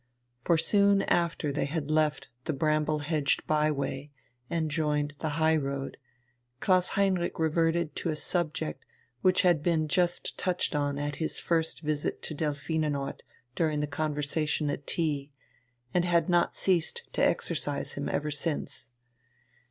For soon after they had left the bramble hedged by way and joined the high road, Klaus Heinrich reverted to a subject which had been just touched on at his first visit to Delphinenort during the conversation at tea, and had not ceased to exercise him ever since.